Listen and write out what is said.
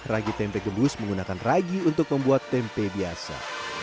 ragi tempe gembus menggunakan ragi untuk membuat tempe biasa